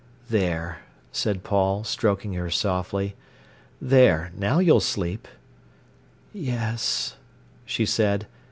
"There," said Paul, stroking her softly. "There!—now you'll sleep." "Yes," she said.